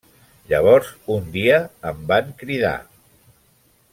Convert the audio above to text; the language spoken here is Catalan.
Llavors un dia em van cridar.